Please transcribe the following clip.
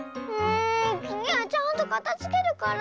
つぎはちゃんとかたづけるから。